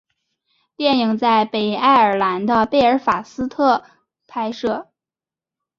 电影在北爱尔兰的贝尔法斯特拍摄。